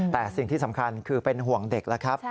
แต่สิ่งที่สำคัญคือเป็นห่วงเด็กแล้วครับ